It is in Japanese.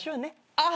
ああ